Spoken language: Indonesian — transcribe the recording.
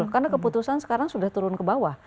karena keputusan sekarang sudah turun ke bawah